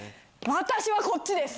私はこっちです。